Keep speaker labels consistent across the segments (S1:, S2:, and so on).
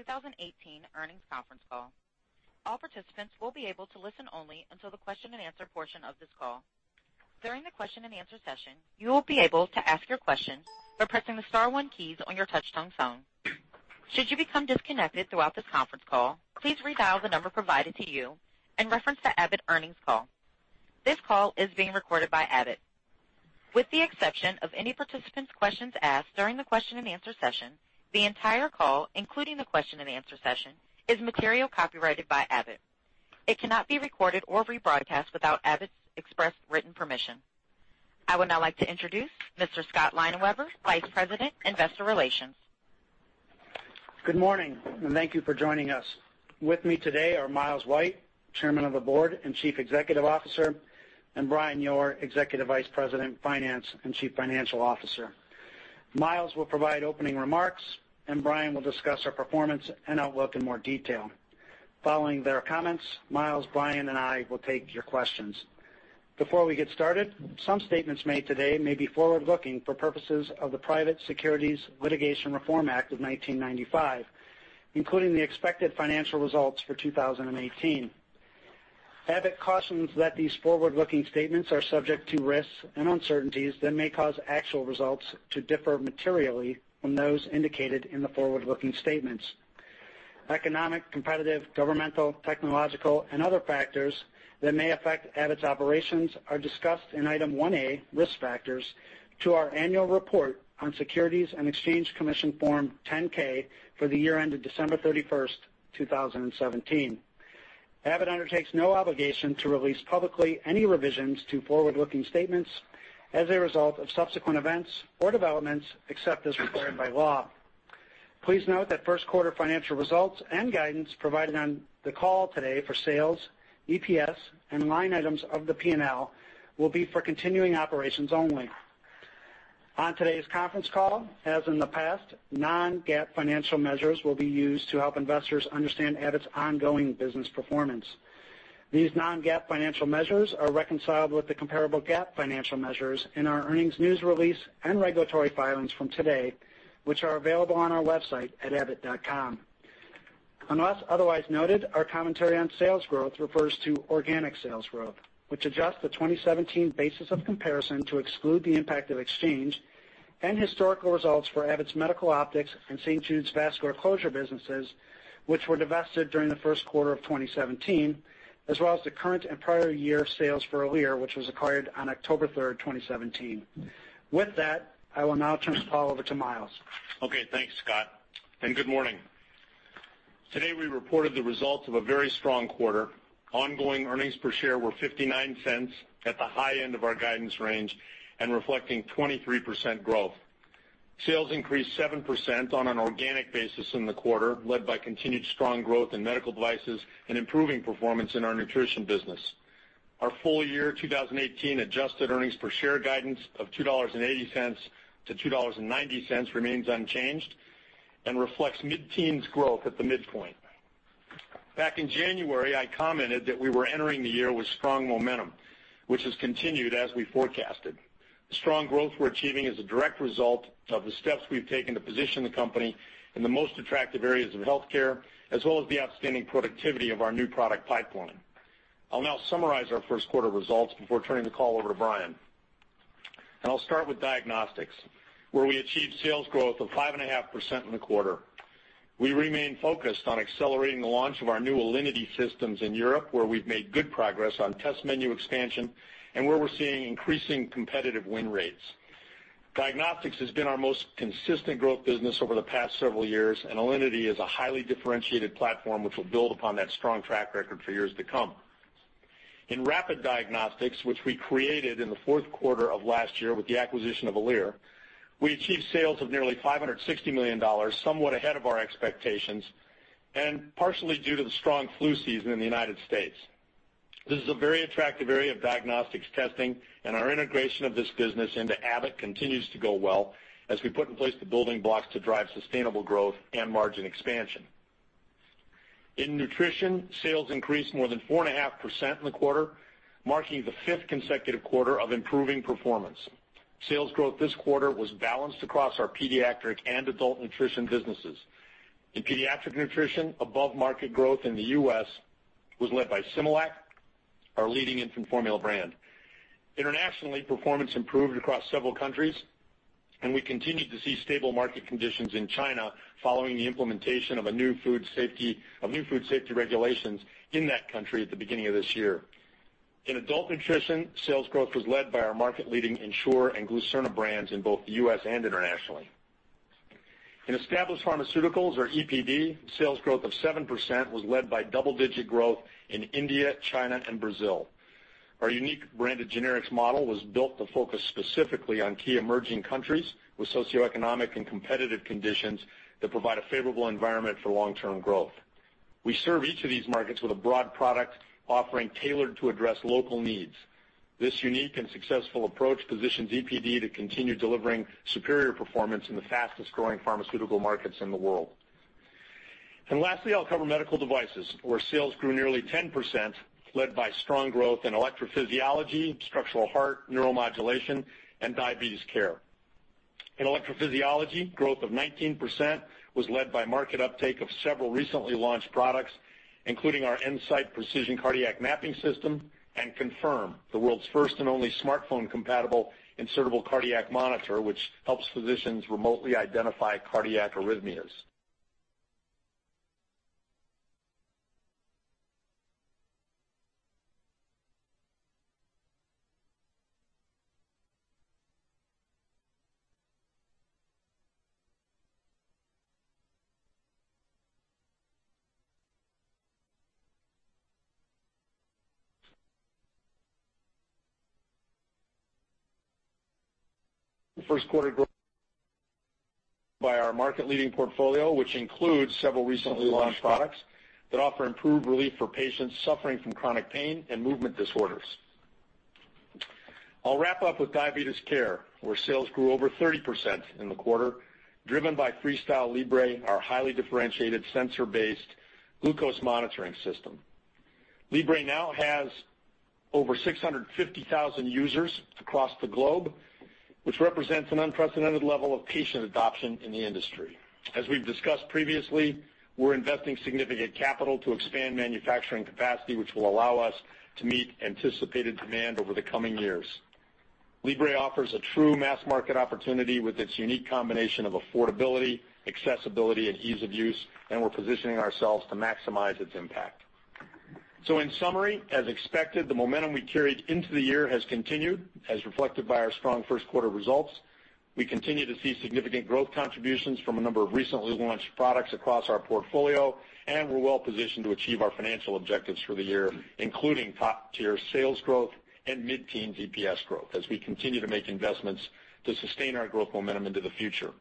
S1: Welcome to Abbott's first quarter 2018 earnings conference call. All participants will be able to listen only until the question and answer portion of this call. During the question and answer session, you will be able to ask your question by pressing the star one keys on your touchtone phone. Should you become disconnected throughout this conference call, please redial the number provided to you and reference the Abbott earnings call. This call is being recorded by Abbott. With the exception of any participant's questions asked during the question and answer session, the entire call, including the question and answer session, is material copyrighted by Abbott. It cannot be recorded or rebroadcast without Abbott's express written permission. I would now like to introduce Mr. Scott Leinenweber, Vice President, Investor Relations.
S2: Good morning. Thank you for joining us. With me today are Miles White, Chairman of the Board and Chief Executive Officer, and Brian Yoor, Executive Vice President, Finance, and Chief Financial Officer. Miles will provide opening remarks. Brian will discuss our performance and outlook in more detail. Following their comments, Miles, Brian, and I will take your questions. Before we get started, some statements made today may be forward-looking for purposes of the Private Securities Litigation Reform Act of 1995, including the expected financial results for 2018. Abbott cautions that these forward-looking statements are subject to risks and uncertainties that may cause actual results to differ materially from those indicated in the forward-looking statements. Economic, competitive, governmental, technological, and other factors that may affect Abbott's operations are discussed in Item 1A, Risk Factors, to our annual report on Securities and Exchange Commission Form 10-K for the year ended December 31st, 2017. Abbott undertakes no obligation to release publicly any revisions to forward-looking statements as a result of subsequent events or developments, except as required by law. Please note that first quarter financial results and guidance provided on the call today for sales, EPS, and line items of the P&L will be for continuing operations only. On today's conference call, as in the past, non-GAAP financial measures will be used to help investors understand Abbott's ongoing business performance. These non-GAAP financial measures are reconciled with the comparable GAAP financial measures in our earnings news release and regulatory filings from today, which are available on our website at abbott.com. Unless otherwise noted, our commentary on sales growth refers to organic sales growth, which adjusts the 2017 basis of comparison to exclude the impact of exchange and historical results for Abbott Medical Optics and St. Jude's vascular closure businesses, which were divested during the first quarter of 2017, as well as the current and prior year sales for Alere, which was acquired on October 3rd, 2017. With that, I will now turn this call over to Miles.
S3: Okay, thanks, Scott, and good morning. Today, we reported the results of a very strong quarter. Ongoing earnings per share were $0.59 at the high end of our guidance range and reflecting 23% growth. Sales increased 7% on an organic basis in the quarter, led by continued strong growth in medical devices and improving performance in our nutrition business. Our full year 2018 adjusted earnings per share guidance of $2.80 to $2.90 remains unchanged and reflects mid-teens growth at the midpoint. Back in January, I commented that we were entering the year with strong momentum, which has continued as we forecasted. The strong growth we're achieving is a direct result of the steps we've taken to position the company in the most attractive areas of healthcare, as well as the outstanding productivity of our new product pipeline. I'll now summarize our first quarter results before turning the call over to Brian. I'll start with diagnostics, where we achieved sales growth of 5.5% in the quarter. We remain focused on accelerating the launch of our new Alinity systems in Europe, where we've made good progress on test menu expansion and where we're seeing increasing competitive win rates. Diagnostics has been our most consistent growth business over the past several years, and Alinity is a highly differentiated platform which will build upon that strong track record for years to come. In rapid diagnostics, which we created in the fourth quarter of last year with the acquisition of Alere, we achieved sales of nearly $560 million, somewhat ahead of our expectations, and partially due to the strong flu season in the U.S. This is a very attractive area of diagnostics testing, and our integration of this business into Abbott continues to go well as we put in place the building blocks to drive sustainable growth and margin expansion. In nutrition, sales increased more than 4.5% in the quarter, marking the fifth consecutive quarter of improving performance. Sales growth this quarter was balanced across our pediatric and adult nutrition businesses. In pediatric nutrition, above-market growth in the U.S. was led by Similac, our leading infant formula brand. Internationally, performance improved across several countries, and we continued to see stable market conditions in China following the implementation of new food safety regulations in that country at the beginning of this year. In adult nutrition, sales growth was led by our market-leading Ensure and Glucerna brands in both the U.S. and internationally. In Established Pharmaceuticals or EPD, sales growth of 7% was led by double-digit growth in India, China, and Brazil. Our unique branded generics model was built to focus specifically on key emerging countries with socioeconomic and competitive conditions that provide a favorable environment for long-term growth. We serve each of these markets with a broad product offering tailored to address local needs. This unique and successful approach positions EPD to continue delivering superior performance in the fastest-growing pharmaceutical markets in the world. Lastly, I'll cover medical devices, where sales grew nearly 10%, led by strong growth in electrophysiology, structural heart, neuromodulation, and diabetes care. In electrophysiology, growth of 19% was led by market uptake of several recently launched products, including our EnSite Precision Cardiac Mapping system and Confirm, the world's first and only smartphone-compatible insertable cardiac monitor, which helps physicians remotely identify cardiac arrhythmias. First quarter growth by our market-leading portfolio, which includes several recently launched products that offer improved relief for patients suffering from chronic pain and movement disorders. I'll wrap up with diabetes care, where sales grew over 30% in the quarter, driven by FreeStyle Libre, our highly differentiated sensor-based glucose monitoring system. Libre now has over 650,000 users across the globe, which represents an unprecedented level of patient adoption in the industry. As we've discussed previously, we're investing significant capital to expand manufacturing capacity, which will allow us to meet anticipated demand over the coming years. Libre offers a true mass market opportunity with its unique combination of affordability, accessibility, and ease of use, and we're positioning ourselves to maximize its impact. In summary, as expected, the momentum we carried into the year has continued, as reflected by our strong first quarter results. We continue to see significant growth contributions from a number of recently launched products across our portfolio, and we're well-positioned to achieve our financial objectives for the year, including top-tier sales growth and mid-teen EPS growth as we continue to make investments to sustain our growth momentum into the future.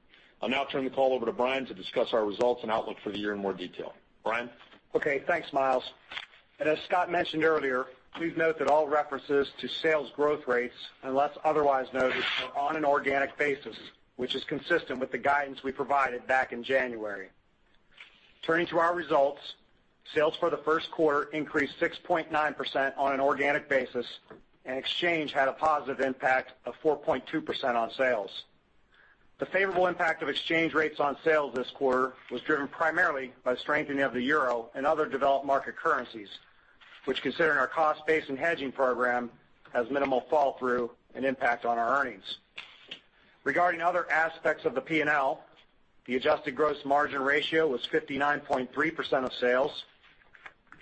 S3: I'll now turn the call over to Brian to discuss our results and outlook for the year in more detail. Brian?
S4: Okay, thanks, Miles. As Scott mentioned earlier, please note that all references to sales growth rates, unless otherwise noted, are on an organic basis, which is consistent with the guidance we provided back in January. Turning to our results, sales for the first quarter increased 6.9% on an organic basis, and exchange had a positive impact of 4.2% on sales. The favorable impact of exchange rates on sales this quarter was driven primarily by the strengthening of the euro and other developed market currencies, which considering our cost base and hedging program, has minimal fall through and impact on our earnings. Regarding other aspects of the P&L, the adjusted gross margin ratio was 59.3% of sales.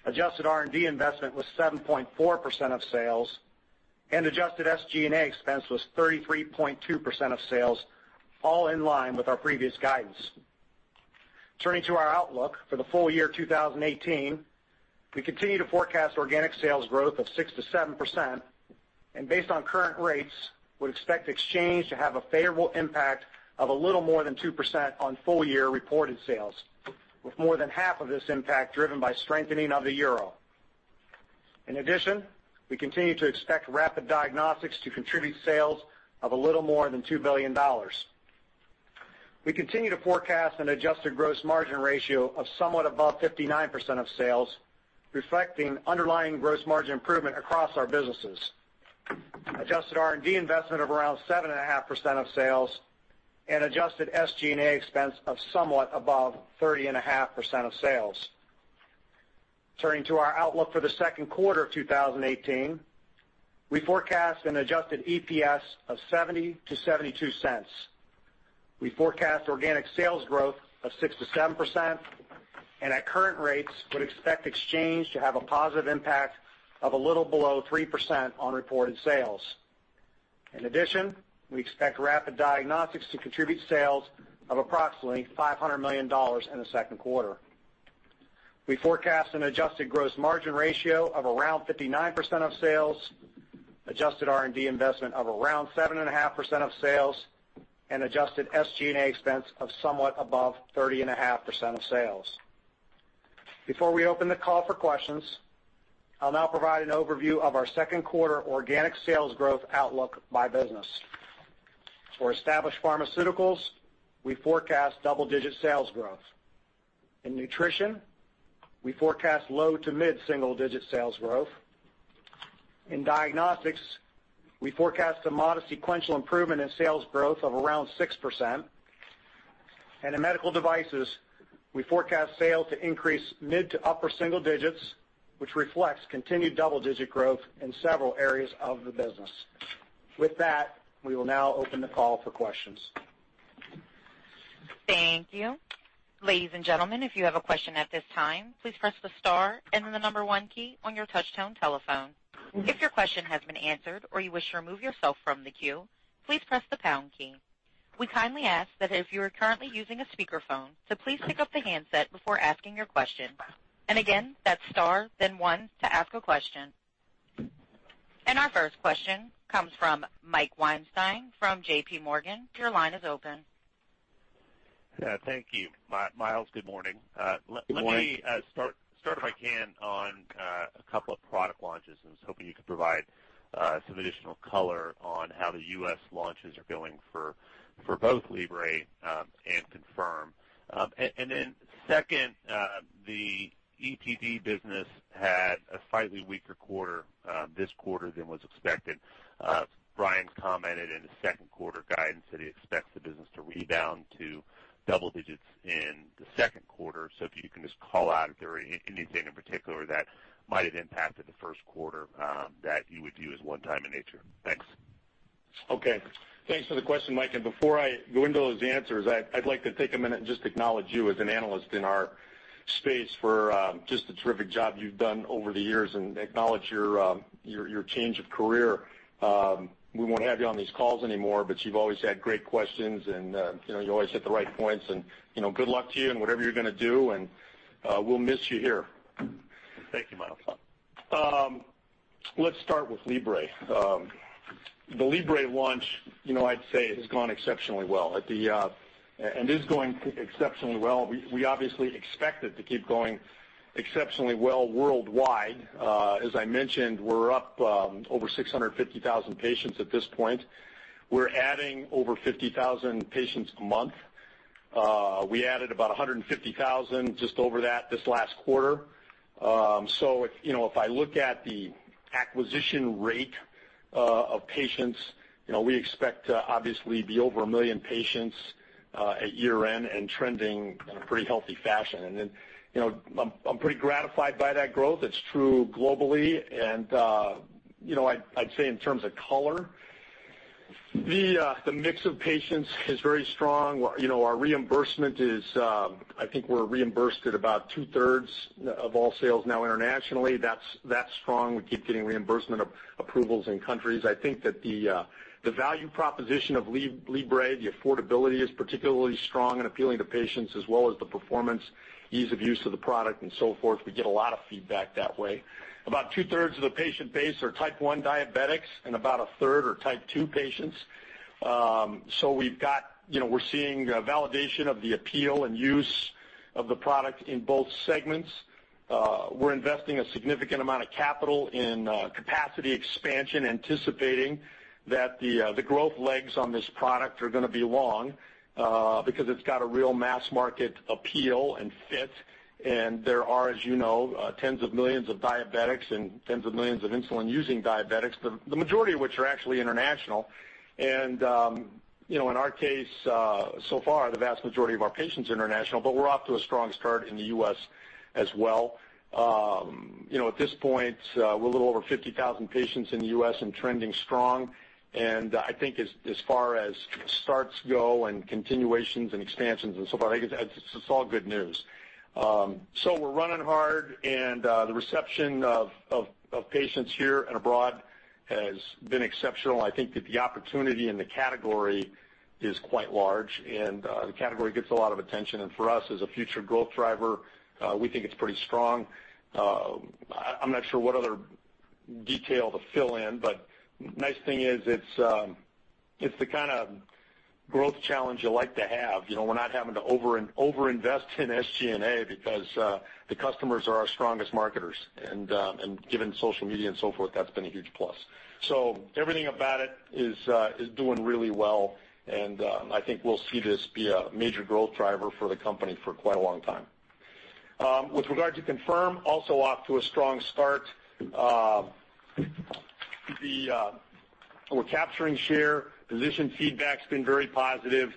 S4: Adjusted R&D investment was 7.4% of sales. Adjusted SG&A expense was 33.2% of sales. All in line with our previous guidance. Turning to our outlook for the full year 2018, we continue to forecast organic sales growth of 6%-7% and based on current rates, would expect exchange to have a favorable impact of a little more than 2% on full year reported sales, with more than half of this impact driven by strengthening of the euro. In addition, we continue to expect rapid diagnostics to contribute sales of a little more than $2 billion. We continue to forecast an adjusted gross margin ratio of somewhat above 59% of sales, reflecting underlying gross margin improvement across our businesses, adjusted R&D investment of around 7.5% of sales, and adjusted SG&A expense of somewhat above 30.5% of sales. Turning to our outlook for the second quarter of 2018, we forecast an adjusted EPS of $0.70-$0.72. We forecast organic sales growth of 6%-7%, and at current rates, would expect exchange to have a positive impact of a little below 3% on reported sales. In addition, we expect rapid diagnostics to contribute sales of approximately $500 million in the second quarter. We forecast an adjusted gross margin ratio of around 59% of sales, adjusted R&D investment of around 7.5% of sales, and adjusted SG&A expense of somewhat above 30.5% of sales. Before we open the call for questions, I'll now provide an overview of our second quarter organic sales growth outlook by business. For established pharmaceuticals, we forecast double-digit sales growth. In nutrition, we forecast low to mid-single digit sales growth. In diagnostics, we forecast a modest sequential improvement in sales growth of around 6%. In medical devices, we forecast sales to increase mid to upper single digits, which reflects continued double-digit growth in several areas of the business. With that, we will now open the call for questions.
S1: Thank you. Ladies and gentlemen, if you have a question at this time, please press the star and then the number 1 key on your touchtone telephone. If your question has been answered or you wish to remove yourself from the queue, please press the pound key. We kindly ask that if you are currently using a speakerphone, to please pick up the handset before asking your question. Again, that's star, then 1 to ask a question. Our first question comes from Mike Weinstein from JPMorgan. Your line is open.
S5: Thank you. Miles, good morning.
S3: Good morning.
S5: Let me start if I can on a couple of product launches and was hoping you could provide some additional color on how the U.S. launches are going for both Libre and Confirm. Second, the EPD business had a slightly weaker quarter this quarter than was expected. Brian Yoor's commented in his second quarter guidance that he expects the business to rebound to double digits in the second quarter. If you can just call out if there are anything in particular that might have impacted the first quarter that you would view as one-time in nature. Thanks.
S3: Okay. Thanks for the question, Mike. Before I go into those answers, I'd like to take a minute and just acknowledge you as an analyst in our space for just the terrific job you've done over the years and acknowledge your change of career. We won't have you on these calls anymore, but you've always had great questions and you always hit the right points and good luck to you in whatever you're going to do, and we'll miss you here.
S5: Thank you, Mike.
S3: Let's start with Libre. The Libre launch, I'd say, has gone exceptionally well and is going exceptionally well. We obviously expect it to keep going exceptionally well worldwide. As I mentioned, we're up over 650,000 patients at this point. We're adding over 50,000 patients a month. We added about 150,000 just over that this last quarter. If I look at the acquisition rate of patients, we expect to obviously be over 1 million patients at year-end and trending in a pretty healthy fashion. I'm pretty gratified by that growth. It's true globally, and I'd say in terms of color, the mix of patients is very strong. Our reimbursement, I think we're reimbursed at about two-thirds of all sales now internationally. That's strong. We keep getting reimbursement approvals in countries. I think that the value proposition of Libre, the affordability is particularly strong and appealing to patients as well as the performance, ease of use of the product and so forth. We get a lot of feedback that way. About two-thirds of the patient base are type 1 diabetics and about a third are type 2 patients. We're seeing validation of the appeal and use of the product in both segments. We're investing a significant amount of capital in capacity expansion, anticipating that the growth legs on this product are going to be long because it's got a real mass market appeal and fit. There are, as you know, tens of millions of diabetics and tens of millions of insulin-using diabetics, the majority of which are actually international. In our case, so far, the vast majority of our patients are international, but we're off to a strong start in the U.S. as well. At this point, we're a little over 50,000 patients in the U.S. and trending strong. I think as far as starts go and continuations and expansions and so forth, it's all good news. We're running hard and the reception of patients here and abroad has been exceptional. I think that the opportunity in the category is quite large, and the category gets a lot of attention. For us as a future growth driver, we think it's pretty strong. I'm not sure what other detail to fill in, but nice thing is it's the kind of growth challenge you like to have. We're not having to over-invest in SG&A because the customers are our strongest marketers. Given social media and so forth, that's been a huge plus. Everything about it is doing really well, and I think we'll see this be a major growth driver for the company for quite a long time. With regard to Confirm, also off to a strong start. Physician feedback's been very positive.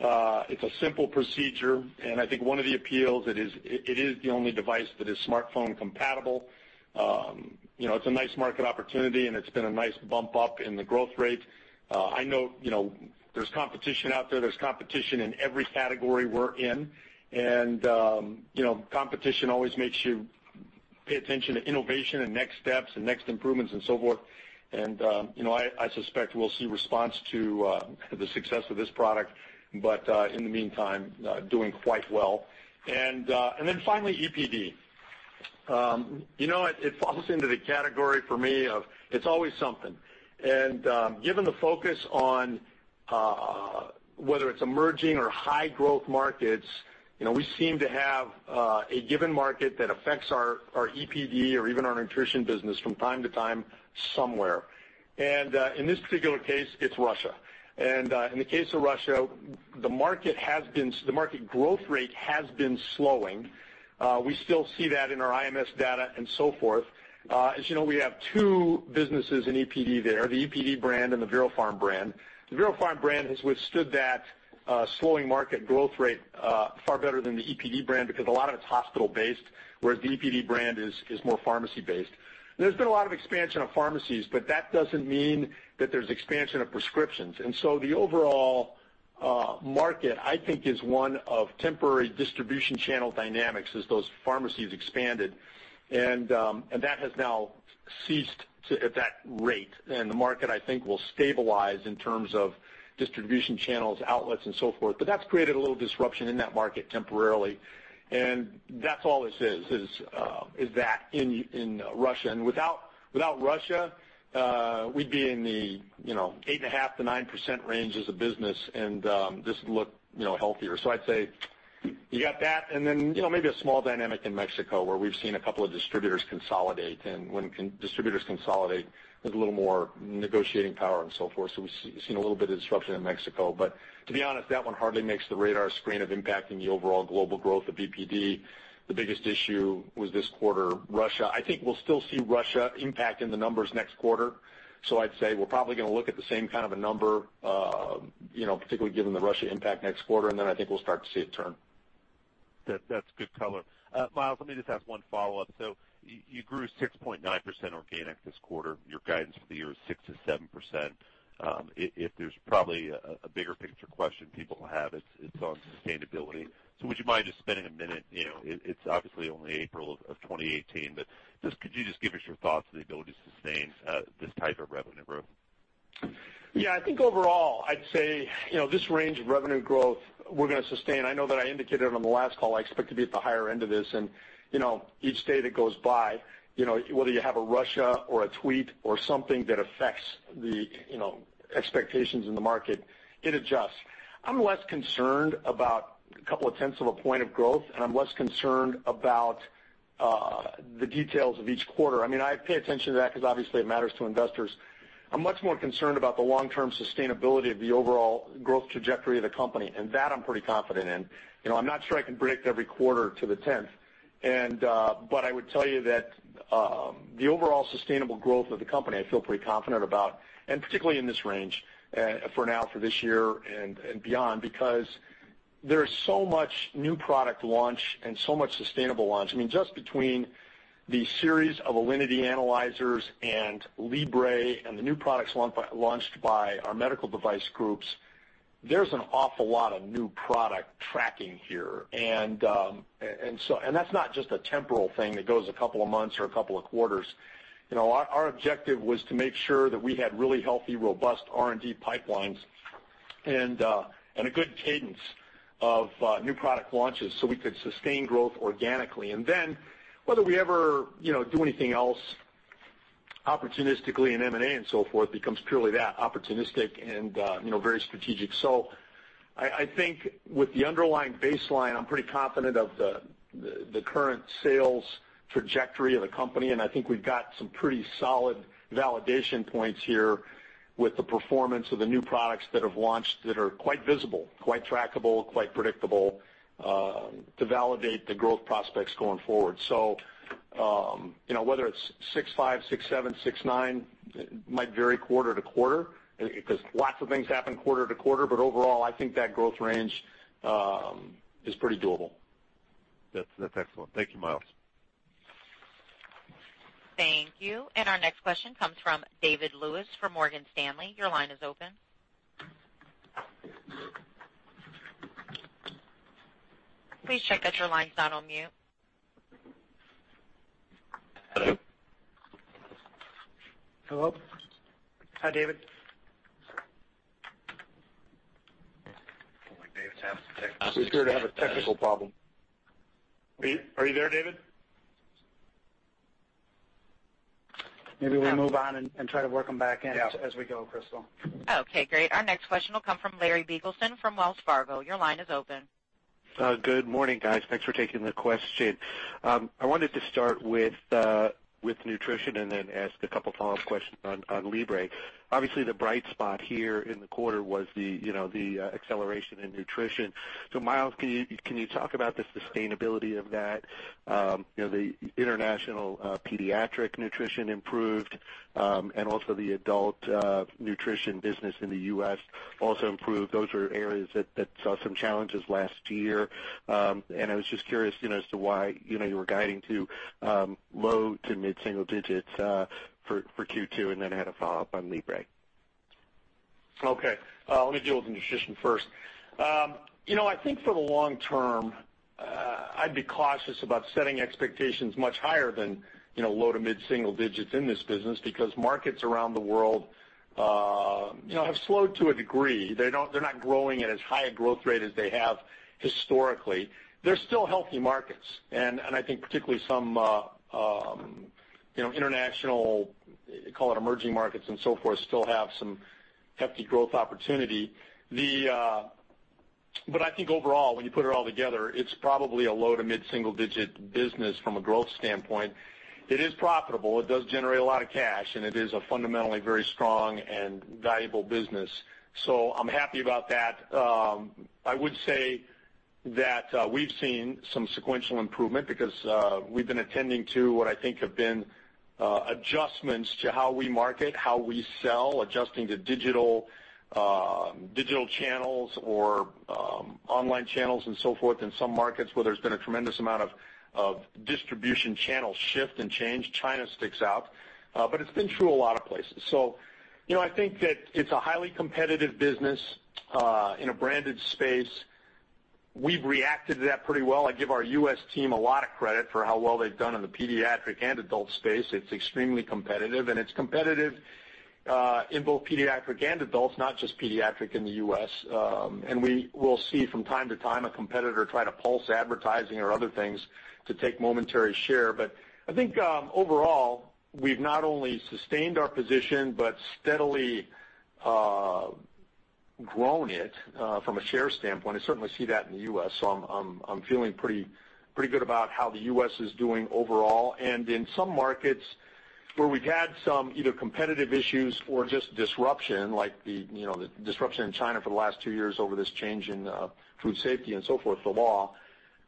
S3: It's a simple procedure, and I think one of the appeals, it is the only device that is smartphone compatible. It's a nice market opportunity, and it's been a nice bump up in the growth rate. I know there's competition out there. There's competition in every category we're in. Competition always makes you pay attention to innovation and next steps and next improvements and so forth. I suspect we'll see response to the success of this product. But in the meantime, doing quite well. Finally, EPD. You know what? It falls into the category for me of it's always something. Given the focus on whether it's emerging or high growth markets, we seem to have a given market that affects our EPD or even our nutrition business from time to time somewhere. In this particular case, it's Russia. In the case of Russia, the market growth rate has been slowing. We still see that in our IMS data and so forth. As you know, we have two businesses in EPD there, the EPD brand and the Veropharm brand. The Veropharm brand has withstood that slowing market growth rate far better than the EPD brand because a lot of it is hospital-based, whereas the EPD brand is more pharmacy-based. There's been a lot of expansion of pharmacies, but that doesn't mean that there's expansion of prescriptions. The overall market, I think, is one of temporary distribution channel dynamics as those pharmacies expanded, and that has now ceased at that rate. The market, I think, will stabilize in terms of distribution channels, outlets, and so forth. That's created a little disruption in that market temporarily, and that's all this is that in Russia. Without Russia, we'd be in the 8.5%-9% range as a business, and this would look healthier. I'd say you got that and then maybe a small dynamic in Mexico where we've seen a couple of distributors consolidate. When distributors consolidate, there's a little more negotiating power and so forth. We've seen a little bit of disruption in Mexico. To be honest, that one hardly makes the radar screen of impacting the overall global growth of EPD. The biggest issue was this quarter Russia. I think we'll still see Russia impact in the numbers next quarter. I'd say we're probably going to look at the same kind of a number particularly given the Russia impact next quarter, then I think we'll start to see it turn.
S5: That's good color. Miles, let me just ask one follow-up. You grew 6.9% organic this quarter. Your guidance for the year is 6%-7%. If there's probably a bigger picture question people have, it's on sustainability. Would you mind just spending a minute, it's obviously only April of 2018, but just could you just give us your thoughts on the ability to sustain this type of revenue growth?
S3: Yeah, I think overall, I'd say, this range of revenue growth we're going to sustain. I know that I indicated on the last call, I expect to be at the higher end of this and each day that goes by, whether you have a Russia or a tweet or something that affects the expectations in the market, it adjusts. I'm less concerned about a couple of tenths of a point of growth, and I'm less concerned about the details of each quarter. I pay attention to that because obviously it matters to investors. I'm much more concerned about the long-term sustainability of the overall growth trajectory of the company, and that I'm pretty confident in. I'm not sure I can predict every quarter to the tenth. I would tell you that the overall sustainable growth of the company, I feel pretty confident about, and particularly in this range, for now, for this year and beyond, because there is so much new product launch and so much sustainable launch. Just between the series of Alinity analyzers and Libre and the new products launched by our medical device groups, there's an awful lot of new product tracking here. That's not just a temporal thing that goes a couple of months or a couple of quarters. Our objective was to make sure that we had really healthy, robust R&D pipelines and a good cadence of new product launches so we could sustain growth organically. Then whether we ever do anything else opportunistically in M&A and so forth becomes purely that, opportunistic and very strategic. I think with the underlying baseline, I'm pretty confident of the current sales trajectory of the company, and I think we've got some pretty solid validation points here with the performance of the new products that have launched that are quite visible, quite trackable, quite predictable, to validate the growth prospects going forward. Whether it's 6.5, 6.7, 6.9, it might vary quarter-to-quarter because lots of things happen quarter-to-quarter. Overall, I think that growth range is pretty doable.
S5: That's excellent. Thank you, Miles.
S1: Thank you. Our next question comes from David Lewis from Morgan Stanley. Your line is open. Please check that your line's not on mute.
S2: Hello?
S3: Hello? Hi, David.
S5: Sounds like David's having some technical issues.
S2: He appears to have a technical problem.
S3: Are you there, David?
S2: Maybe we move on and try to work him back in as we go, Crystal.
S1: Okay, great. Our next question will come from Larry Biegelsen from Wells Fargo. Your line is open.
S6: Good morning, guys. Thanks for taking the question. I wanted to start with nutrition and then ask a couple follow-up questions on Libre. Obviously, the bright spot here in the quarter was the acceleration in nutrition. Miles, can you talk about the sustainability of that? The international pediatric nutrition improved, and also the adult nutrition business in the U.S. also improved. Those were areas that saw some challenges last year. I was just curious as to why you were guiding to low to mid-single digits for Q2, and then I had a follow-up on Libre.
S3: Okay. Let me deal with nutrition first. I think for the long term, I'd be cautious about setting expectations much higher than low to mid-single digits in this business because markets around the world have slowed to a degree. They're not growing at as high a growth rate as they have historically. They're still healthy markets, and I think particularly some international, call it emerging markets and so forth, still have some hefty growth opportunity. I think overall, when you put it all together, it's probably a low to mid-single digit business from a growth standpoint. It is profitable. It does generate a lot of cash, and it is a fundamentally very strong and valuable business. I'm happy about that. I would say that we've seen some sequential improvement because we've been attending to what I think have been adjustments to how we market, how we sell, adjusting to digital channels or online channels and so forth in some markets where there's been a tremendous amount of distribution channel shift and change. China sticks out. It's been true a lot of places. I think that it's a highly competitive business in a branded space. We've reacted to that pretty well. I give our U.S. team a lot of credit for how well they've done in the pediatric and adult space. It's extremely competitive, and it's competitive in both pediatric and adults, not just pediatric in the U.S. We will see from time to time a competitor try to pulse advertising or other things to take momentary share. I think overall, we've not only sustained our position but steadily grown it from a share standpoint. I certainly see that in the U.S., so I'm feeling pretty good about how the U.S. is doing overall. In some markets where we've had some either competitive issues or just disruption, like the disruption in China for the last two years over this change in food safety and so forth, the law,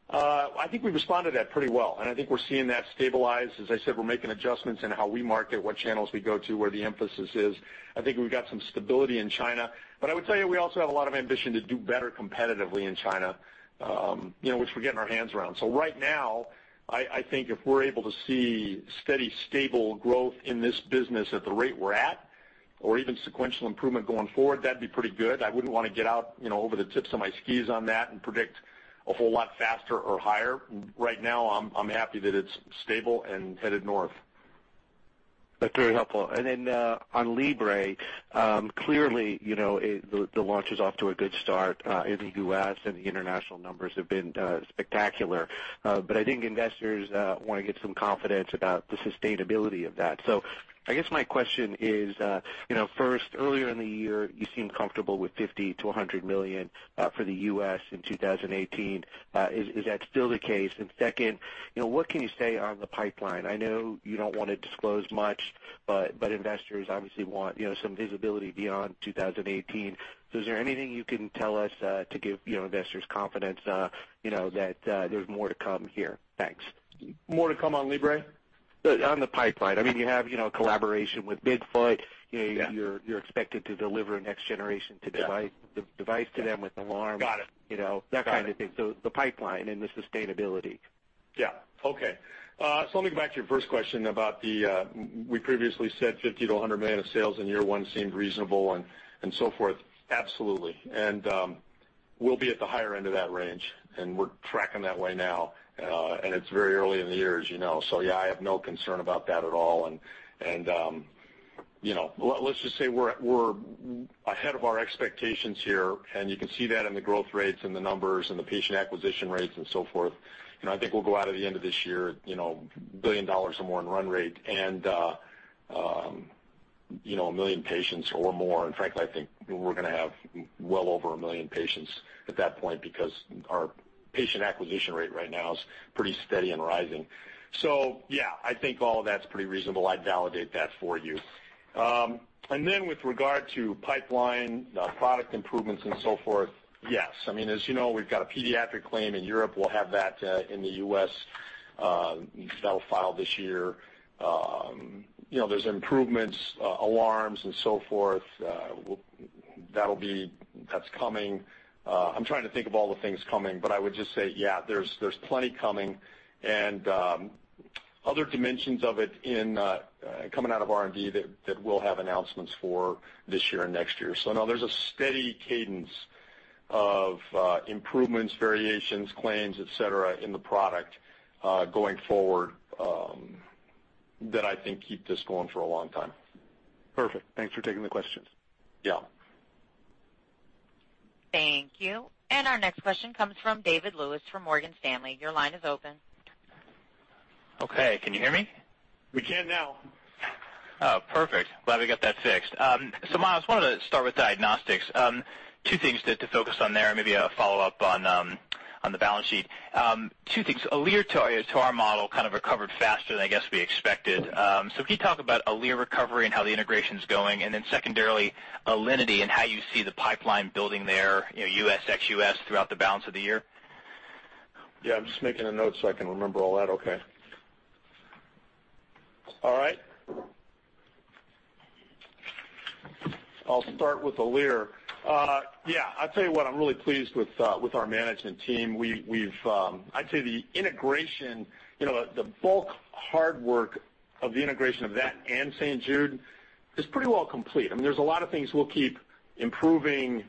S3: I think we've responded to that pretty well, and I think we're seeing that stabilize. As I said, we're making adjustments in how we market, what channels we go to, where the emphasis is. I think we've got some stability in China. I would say we also have a lot of ambition to do better competitively in China which we're getting our hands around. Right now, I think if we're able to see steady, stable growth in this business at the rate we're at, or even sequential improvement going forward, that'd be pretty good. I wouldn't want to get out over the tips of my skis on that and predict a whole lot faster or higher. Right now, I'm happy that it's stable and headed north.
S6: That's very helpful. Then on Libre, clearly, the launch is off to a good start, in the U.S., the international numbers have been spectacular. I think investors want to get some confidence about the sustainability of that. I guess my question is first, earlier in the year, you seemed comfortable with $50 million-$100 million for the U.S. in 2018. Is that still the case? Second, what can you say on the pipeline? I know you don't want to disclose much, investors obviously want some visibility beyond 2018. Is there anything you can tell us to give investors confidence that there's more to come here? Thanks.
S3: More to come on Libre?
S6: On the pipeline. You have a collaboration with Bigfoot.
S3: Yeah.
S6: You're expected to deliver a next generation to device-
S3: Yeah
S6: the device to them with alarms.
S3: Got it.
S6: That kind of thing. The pipeline and the sustainability.
S3: Yeah. Okay. Let me go back to your first question about the, we previously said $50 million-$100 million of sales in year one seemed reasonable and so forth. Absolutely. We'll be at the higher end of that range, and we're tracking that way now. It's very early in the year, as you know. Yeah, I have no concern about that at all. Let's just say we're ahead of our expectations here, and you can see that in the growth rates and the numbers and the patient acquisition rates and so forth. I think we'll go out of the end of this year, $1 billion or more in run rate and 1 million patients or more. Frankly, I think we're going to have well over 1 million patients at that point because our patient acquisition rate right now is pretty steady and rising. Yeah, I think all of that's pretty reasonable. I'd validate that for you. Then with regard to pipeline, product improvements and so forth, yes. As you know, we've got a pediatric claim in Europe. We'll have that in the U.S. that'll file this year. There's improvements, alarms, and so forth. That's coming. I'm trying to think of all the things coming, but I would just say, yeah, there's plenty coming and other dimensions of it coming out of R&D that we'll have announcements for this year and next year. No, there's a steady cadence of improvements, variations, claims, et cetera, in the product, going forward, that I think keep this going for a long time.
S6: Perfect. Thanks for taking the questions.
S3: Yeah.
S1: Thank you. Our next question comes from David Lewis from Morgan Stanley. Your line is open.
S7: Okay. Can you hear me?
S3: We can now.
S7: Miles, wanted to start with diagnostics. Two things to focus on there, maybe a follow-up on the balance sheet. Two things. Alere, to our model, kind of recovered faster than I guess we expected. Can you talk about Alere recovery and how the integration's going? Secondarily, Alinity and how you see the pipeline building there, U.S., ex-U.S., throughout the balance of the year?
S3: Yeah, I'm just making a note so I can remember all that okay. All right. I'll start with Alere. Yeah, I'll tell you what, I'm really pleased with our management team. I'd say the integration, the bulk hard work of the integration of that and St. Jude is pretty well complete. There's a lot of things we'll keep improving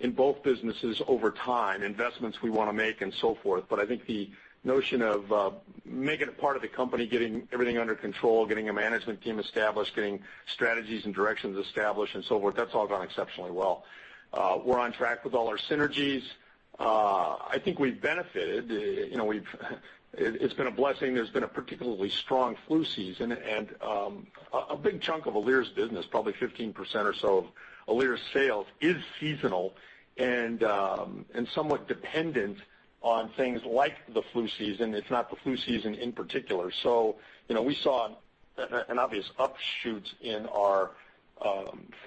S3: in both businesses over time, investments we want to make and so forth. I think the notion of making it a part of the company, getting everything under control, getting a management team established, getting strategies and directions established, and so forth, that's all gone exceptionally well. We're on track with all our synergies. I think we've benefited. It's been a blessing. There's been a particularly strong flu season, and a big chunk of Alere's business, probably 15% or so of Alere's sales, is seasonal and somewhat dependent on things like the flu season. It's not the flu season in particular. We saw an obvious upshoot in our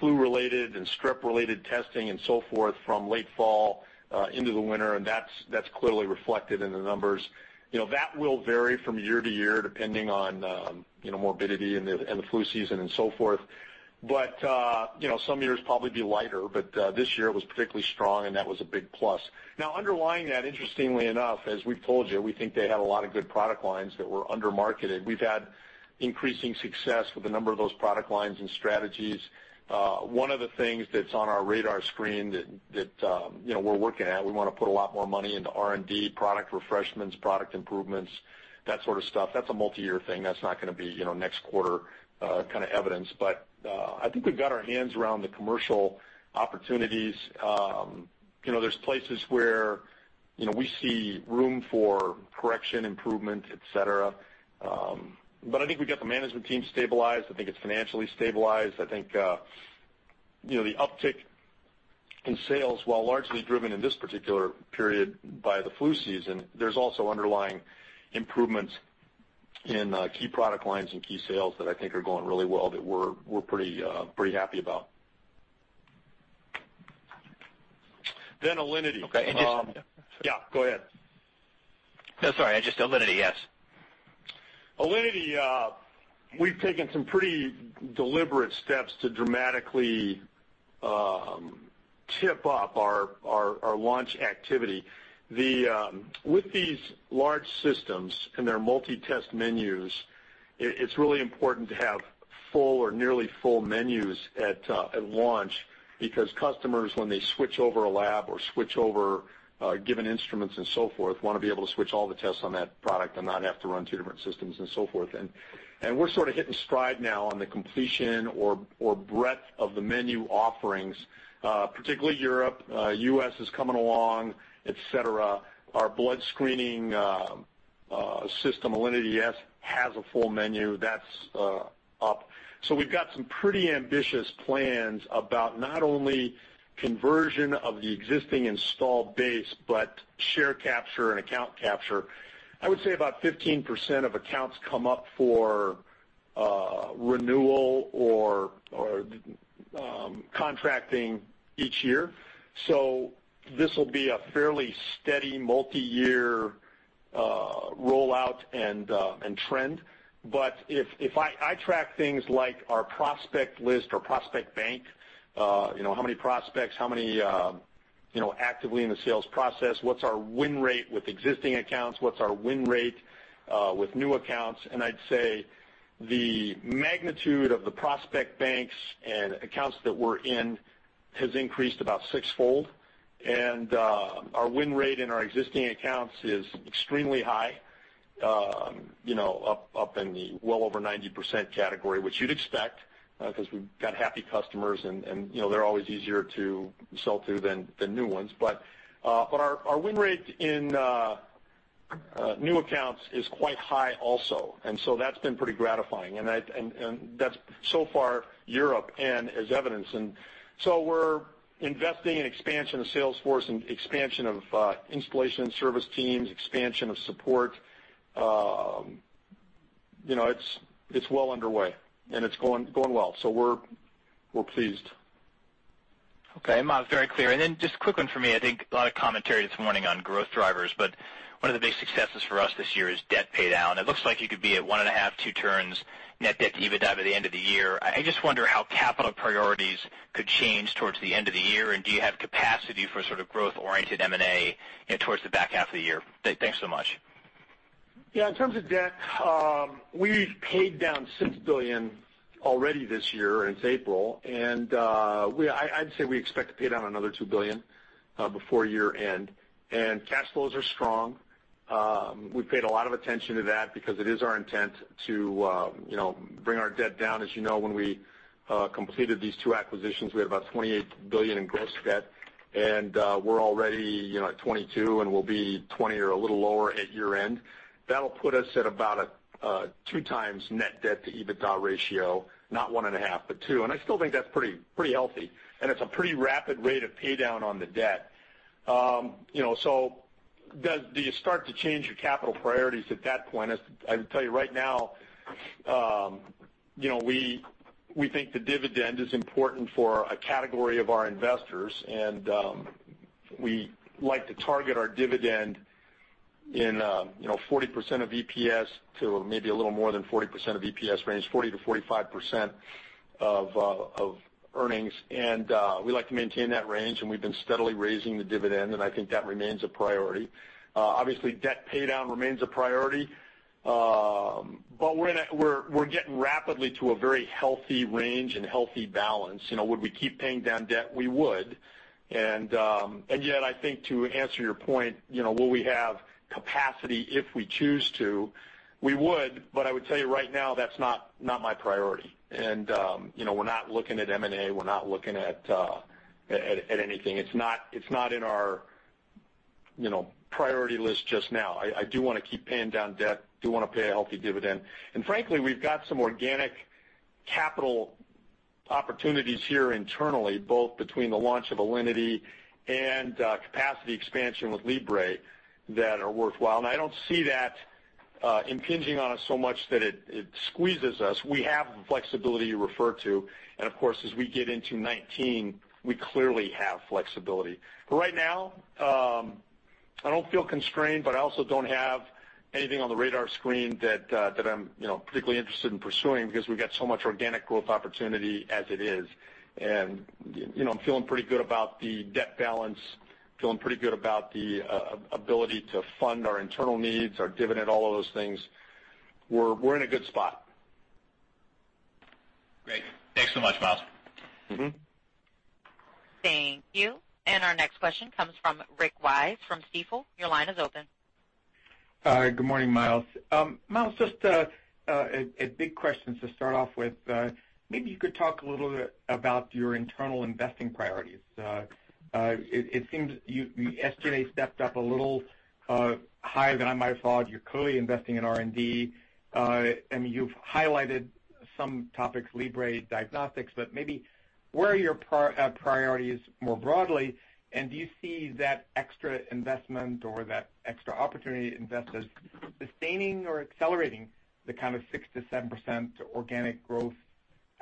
S3: flu-related and strep-related testing and so forth from late fall into the winter, and that's clearly reflected in the numbers. That will vary from year to year, depending on morbidity and the flu season and so forth. Some years probably be lighter, but this year it was particularly strong, and that was a big plus. Underlying that, interestingly enough, as we've told you, we think they had a lot of good product lines that were under-marketed. We've had increasing success with a number of those product lines and strategies. One of the things that's on our radar screen that we're working at, we want to put a lot more money into R&D, product refreshments, product improvements, that sort of stuff. That's a multi-year thing. That's not going to be next quarter kind of evidence. I think we've got our hands around the commercial opportunities. There's places where we see room for correction, improvement, et cetera. I think we've got the management team stabilized. I think it's financially stabilized. I think the uptick in sales, while largely driven in this particular period by the flu season, there's also underlying improvements in key product lines and key sales that I think are going really well that we're pretty happy about. Alinity.
S7: Okay.
S3: Yeah, go ahead.
S7: No, sorry. Just Alinity, yes.
S3: Alinity, we have taken some pretty deliberate steps to dramatically tip up our launch activity. With these large systems and their multi-test menus, it is really important to have full or nearly full menus at launch because customers, when they switch over a lab or switch over given instruments and so forth, want to be able to switch all the tests on that product and not have to run two different systems and so forth. We are sort of hitting stride now on the completion or breadth of the menu offerings, particularly Europe, U.S. is coming along, et cetera. Our blood screening system, Alinity s, has a full menu. That is up. We have got some pretty ambitious plans about not only conversion of the existing installed base, but share capture and account capture. I would say about 15% of accounts come up for renewal or contracting each year. This will be a fairly steady multi-year rollout and trend. I track things like our prospect list or prospect bank, how many prospects, how many actively in the sales process, what is our win rate with existing accounts, what is our win rate with new accounts. I would say the magnitude of the prospect banks and accounts that we are in has increased about sixfold, and our win rate in our existing accounts is extremely high up in the well over 90% category, which you would expect because we have got happy customers, and they are always easier to sell to than the new ones. Our win rate in new accounts is quite high also, and so that has been pretty gratifying. That is so far Europe, N as evidence. We are investing in expansion of sales force and expansion of installation and service teams, expansion of support. It is well underway, and it is going well. We are pleased.
S7: Okay, Miles, very clear. Just a quick one for me. I think a lot of commentary this morning on growth drivers, but one of the big successes for us this year is debt paydown. It looks like you could be at 1.5, 2 turns net debt to EBITDA by the end of the year. I just wonder how capital priorities could change towards the end of the year, and do you have capacity for sort of growth-oriented M&A towards the back half of the year? Thanks so much.
S3: Yeah. In terms of debt, we've paid down $6 billion already this year, and it's April. I'd say we expect to pay down another $2 billion before year-end. Cash flows are strong. We paid a lot of attention to that because it is our intent to bring our debt down. As you know, when we completed these two acquisitions, we had about $28 billion in gross debt, and we're already at $22 billion, and we'll be $20 billion or a little lower at year-end. That'll put us at about a 2 times net debt to EBITDA ratio, not one and a half, but 2. I still think that's pretty healthy, and it's a pretty rapid rate of paydown on the debt. Do you start to change your capital priorities at that point? I would tell you right now, we think the dividend is important for a category of our investors, and we like to target our dividend in 40% of EPS to maybe a little more than 40% of EPS range, 40%-45% of earnings. We like to maintain that range, and we've been steadily raising the dividend, and I think that remains a priority. Obviously, debt paydown remains a priority. We're getting rapidly to a very healthy range and healthy balance. Would we keep paying down debt? We would. Yet I think to answer your point, will we have capacity if we choose to? We would, but I would tell you right now, that's not my priority. We're not looking at M&A, we're not looking at anything. It's not in our priority list just now. I do want to keep paying down debt, do want to pay a healthy dividend. Frankly, we've got some organic capital opportunities here internally, both between the launch of Alinity and capacity expansion with Libre that are worthwhile. I don't see that impinging on us so much that it squeezes us. We have the flexibility you refer to, and of course, as we get into 2019, we clearly have flexibility. Right now, I don't feel constrained, but I also don't have anything on the radar screen that I'm particularly interested in pursuing because we've got so much organic growth opportunity as it is. I'm feeling pretty good about the debt balance, feeling pretty good about the ability to fund our internal needs, our dividend, all of those things. We're in a good spot.
S7: Great. Thanks so much, Miles.
S1: Thank you. Our next question comes from Rick Wise from Stifel. Your line is open.
S8: Good morning, Miles. Miles, just a big question to start off with. Maybe you could talk a little bit about your internal investing priorities. It seems you yesterday stepped up a little higher than I might have thought. You're clearly investing in R&D. I mean, you've highlighted some topics, Libre diagnostics, but maybe where are your priorities more broadly, and do you see that extra investment or that extra opportunity invested sustaining or accelerating the kind of 6%-7% organic growth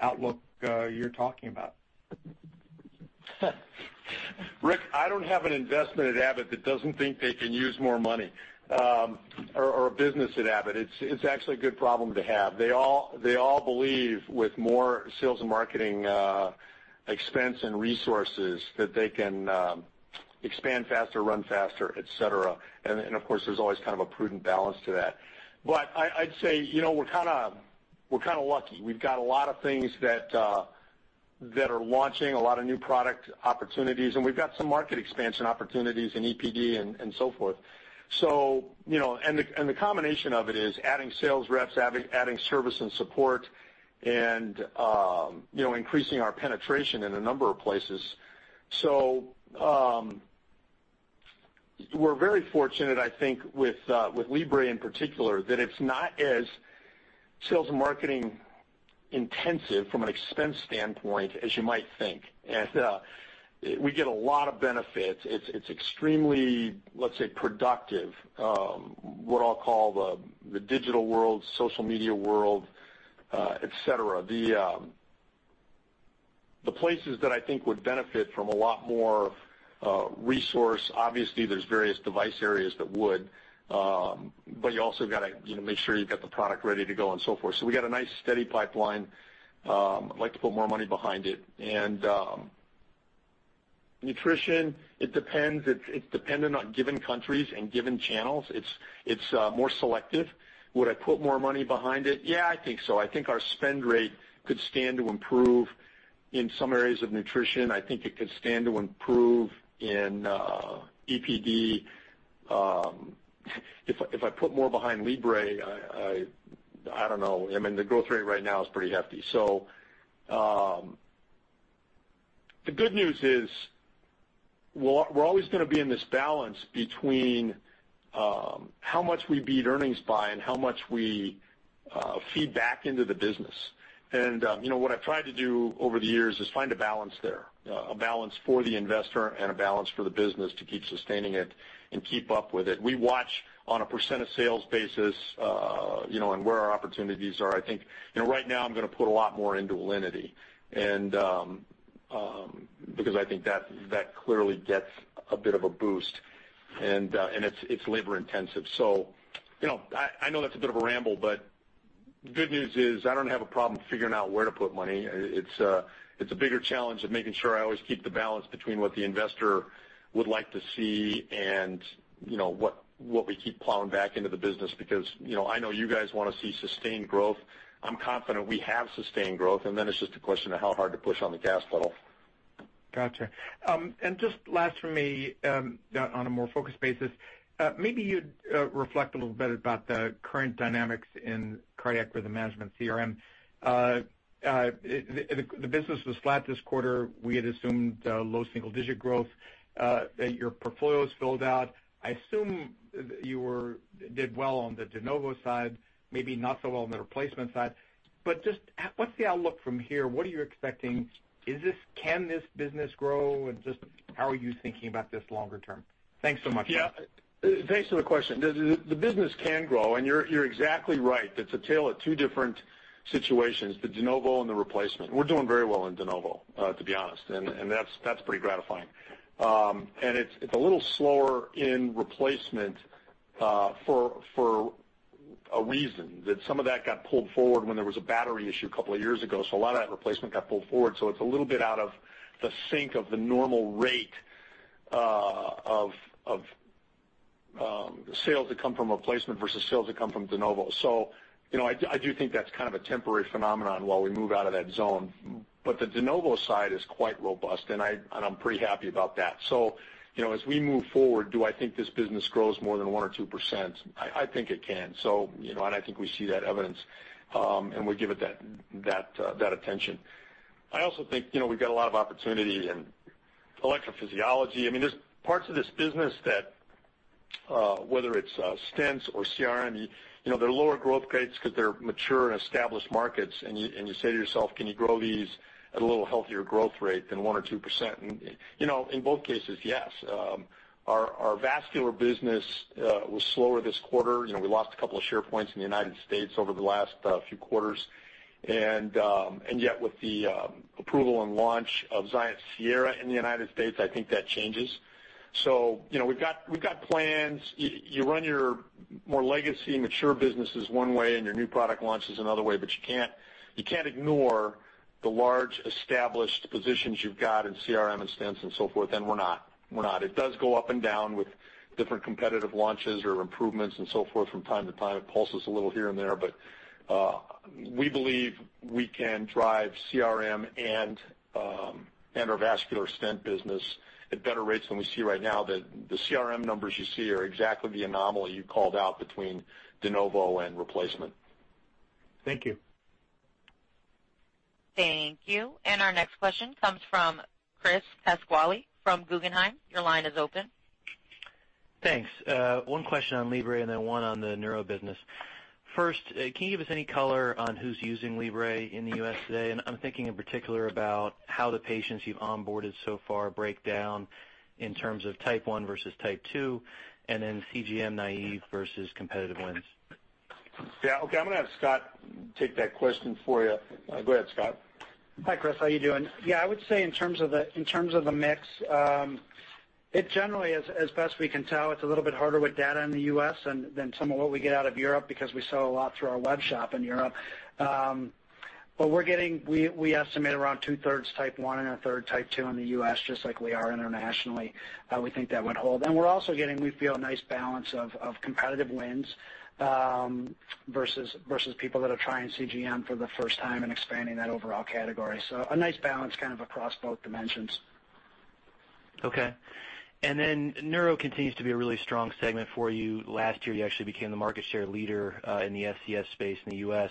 S8: outlook you're talking about?
S3: Rick, I don't have an investment at Abbott that doesn't think they can use more money or a business at Abbott. It's actually a good problem to have. They all believe with more sales and marketing expense and resources that they can expand faster, run faster, et cetera. Of course, there's always kind of a prudent balance to that. I'd say we're kind of lucky. We've got a lot of things that are launching, a lot of new product opportunities, and we've got some market expansion opportunities in EPD and so forth. The combination of it is adding sales reps, adding service and support, and increasing our penetration in a number of places. We're very fortunate, I think, with Libre in particular, that it's not as sales and marketing intensive from an expense standpoint as you might think. We get a lot of benefits. It's extremely, let's say, productive, what I'll call the digital world, social media world, et cetera. The places that I think would benefit from a lot more resource, obviously, there's various device areas that would, but you also got to make sure you've got the product ready to go and so forth. We got a nice steady pipeline. I'd like to put more money behind it. Nutrition, it depends. It's dependent on given countries and given channels. It's more selective. Would I put more money behind it? Yeah, I think so. I think our spend rate could stand to improve in some areas of nutrition. I think it could stand to improve in EPD. If I put more behind Libre, I don't know. I mean, the growth rate right now is pretty hefty. The good news is we're always going to be in this balance between how much we beat earnings by and how much we feed back into the business. What I've tried to do over the years is find a balance there, a balance for the investor and a balance for the business to keep sustaining it and keep up with it. We watch on a % of sales basis, and where our opportunities are. I think right now I'm going to put a lot more into Alinity, because I think that clearly gets a bit of a boost, and it's labor intensive. I know that's a bit of a ramble, the good news is I don't have a problem figuring out where to put money. It's a bigger challenge of making sure I always keep the balance between what the investor would like to see and what we keep plowing back into the business because I know you guys want to see sustained growth. I'm confident we have sustained growth, then it's just a question of how hard to push on the gas pedal.
S8: Got you. Just last from me, on a more focused basis, maybe you'd reflect a little bit about the current dynamics in cardiac rhythm management, CRM. The business was flat this quarter. We had assumed low single-digit growth, that your portfolio's filled out. I assume you did well on the de novo side, maybe not so well on the replacement side, just what's the outlook from here? What are you expecting? Can this business grow, just how are you thinking about this longer term? Thanks so much.
S3: Yeah. Thanks for the question. The business can grow, you're exactly right. It's a tale of two different situations, the de novo and the replacement. We're doing very well in de novo, to be honest, that's pretty gratifying. It's a little slower in replacement for a reason, that some of that got pulled forward when there was a battery issue a couple of years ago. A lot of that replacement got pulled forward, it's a little bit out of the sync of the normal rate of sales that come from replacement versus sales that come from de novo. I do think that's kind of a temporary phenomenon while we move out of that zone. The de novo side is quite robust, I'm pretty happy about that. As we move forward, do I think this business grows more than 1% or 2%? I think it can. I think we see that evidence, and we give it that attention. I also think we've got a lot of opportunity in electrophysiology. There's parts of this business that whether it's stents or CRM, they're lower growth rates because they're mature and established markets, and you say to yourself, "Can you grow these at a little healthier growth rate than 1% or 2%?" In both cases, yes. Our vascular business was slower this quarter. We lost a couple of share points in the United States over the last few quarters. Yet with the approval and launch of XIENCE Sierra in the United States, I think that changes. We've got plans. You run your more legacy mature businesses one way and your new product launches another way, you can't ignore the large established positions you've got in CRM and stents and so forth, and we're not. It does go up and down with different competitive launches or improvements and so forth from time to time. It pulses a little here and there, we believe we can drive CRM and our vascular stent business at better rates than we see right now, that the CRM numbers you see are exactly the anomaly you called out between de novo and replacement.
S8: Thank you.
S1: Thank you. Our next question comes from Chris Pasquale from Guggenheim. Your line is open.
S9: Thanks. One question on Libre and then one on the neuro business. First, can you give us any color on who's using Libre in the U.S. today? I'm thinking in particular about how the patients you've onboarded so far break down in terms of type 1 versus type 2, and then CGM naive versus competitive wins.
S3: Yeah. Okay, I'm going to have Scott take that question for you. Go ahead, Scott.
S2: Hi, Chris. How you doing? Yeah, I would say in terms of the mix, it generally, as best we can tell, it's a little bit harder with data in the U.S. than some of what we get out of Europe because we sell a lot through our web shop in Europe. We estimate around two-thirds type 1 and a third type 2 in the U.S., just like we are internationally. We think that would hold. We're also getting, we feel, a nice balance of competitive wins versus people that are trying CGM for the first time and expanding that overall category. A nice balance kind of across both dimensions.
S9: Okay. Then neuro continues to be a really strong segment for you. Last year, you actually became the market share leader, in the SCS space in the U.S.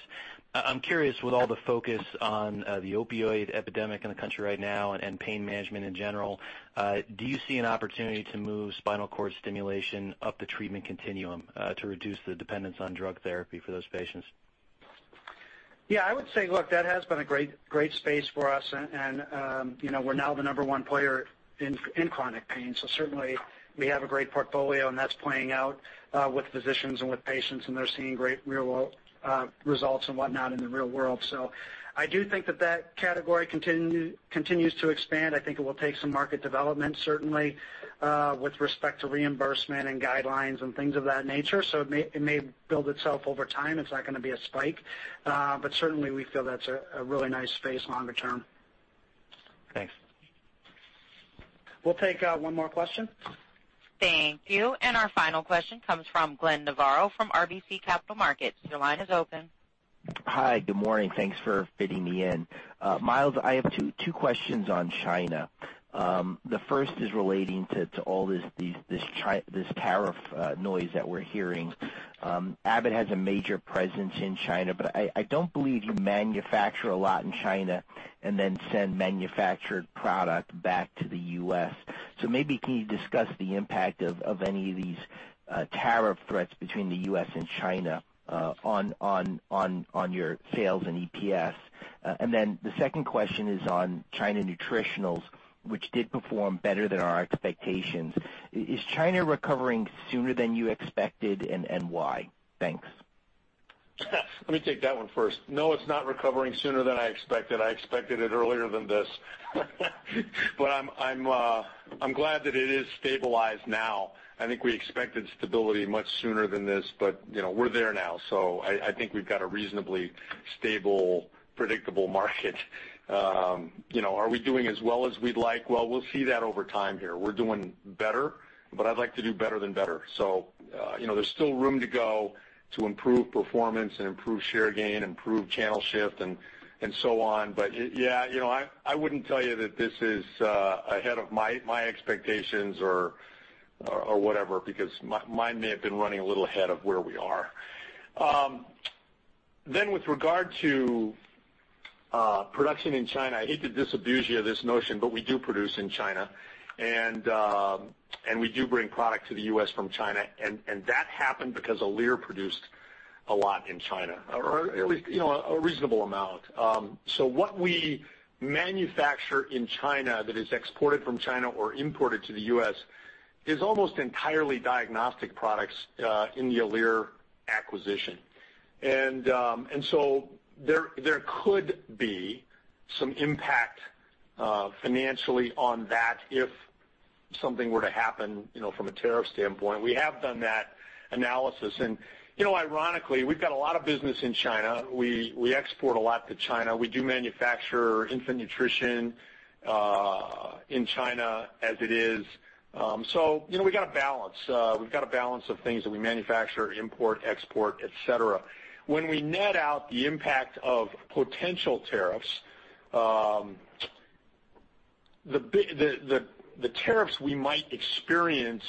S9: I'm curious, with all the focus on the opioid epidemic in the country right now and pain management in general, do you see an opportunity to move spinal cord stimulation up the treatment continuum, to reduce the dependence on drug therapy for those patients?
S2: I would say, look, that has been a great space for us, and we're now the number 1 player in chronic pain. Certainly we have a great portfolio, and that's playing out with physicians and with patients, and they're seeing great real-world results and whatnot in the real world. I do think that category continues to expand. I think it will take some market development, certainly, with respect to reimbursement and guidelines and things of that nature. It may build itself over time. It's not going to be a spike. Certainly we feel that's a really nice space longer term.
S9: Thanks.
S3: We'll take one more question.
S1: Thank you. Our final question comes from Glenn Novarro from RBC Capital Markets. Your line is open.
S10: Hi. Good morning. Thanks for fitting me in. Miles, I have two questions on China. The first is relating to all this tariff noise that we're hearing. Abbott has a major presence in China, but I don't believe you manufacture a lot in China and then send manufactured product back to the U.S. Maybe can you discuss the impact of any of these tariff threats between the U.S. and China on your sales and EPS? The second question is on China Nutritionals, which did perform better than our expectations. Is China recovering sooner than you expected, and why? Thanks.
S3: Let me take that one first. No, it's not recovering sooner than I expected. I expected it earlier than this. I'm glad that it is stabilized now. I think we expected stability much sooner than this, but we're there now. I think we've got a reasonably stable, predictable market. Are we doing as well as we'd like? We'll see that over time here. We're doing better, but I'd like to do better than better. There's still room to go to improve performance and improve share gain, improve channel shift, and so on. Yeah, I wouldn't tell you that this is ahead of my expectations or whatever, because mine may have been running a little ahead of where we are. With regard to production in China, I hate to disabuse you of this notion, we do produce in China, we do bring product to the U.S. from China, and that happened because Alere produced a lot in China. Or at least a reasonable amount. What we manufacture in China that is exported from China or imported to the U.S. is almost entirely diagnostic products in the Alere acquisition. There could be some impact financially on that if something were to happen from a tariff standpoint. We have done that analysis, ironically, we've got a lot of business in China. We export a lot to China. We do manufacture infant nutrition in China as it is. We got a balance. We've got a balance of things that we manufacture, import, export, et cetera. When we net out the impact of potential tariffs, the tariffs we might experience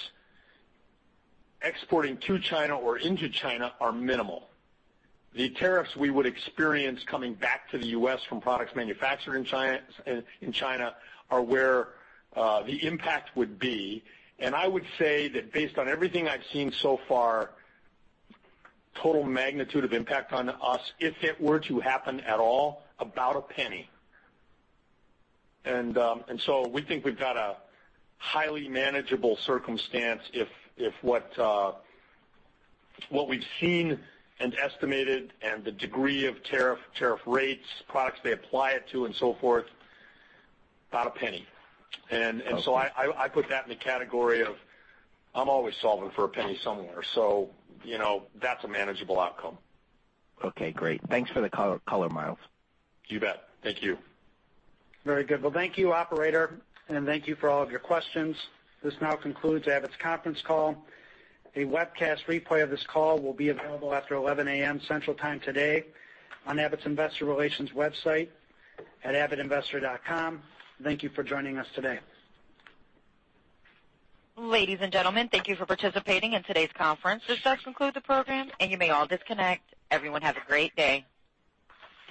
S3: exporting to China or into China are minimal. The tariffs we would experience coming back to the U.S. from products manufactured in China are where the impact would be. I would say that based on everything I've seen so far, total magnitude of impact on us, if it were to happen at all, about $0.01. We think we've got a highly manageable circumstance if what we've seen and estimated and the degree of tariff rates, products they apply it to, and so forth, about $0.01. I put that in the category of I'm always solving for $0.01 somewhere, that's a manageable outcome.
S10: Okay, great. Thanks for the color, Miles.
S3: You bet. Thank you.
S2: Very good. Well, thank you, operator, and thank you for all of your questions. This now concludes Abbott's conference call. A webcast replay of this call will be available after 11:00 A.M. Central Time today on Abbott's Investor Relations website at abbottinvestor.com. Thank you for joining us today.
S1: Ladies and gentlemen, thank you for participating in today's conference. This does conclude the program, and you may all disconnect. Everyone have a great day.